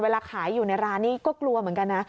เวลาขายอยู่ในร้านนี้ก็กลัวเหมือนกันนะ